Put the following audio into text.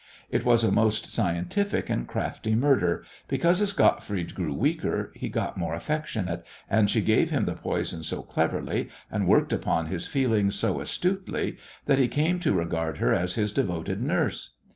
It was a most scientific and crafty murder, because as Gottfried grew weaker he got more affectionate, and she gave him the poison so cleverly, and worked upon his feelings so astutely, that he came to regard her as his devoted nurse!